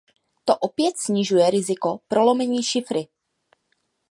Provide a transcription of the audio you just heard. To opět snižuje riziko prolomení šifry.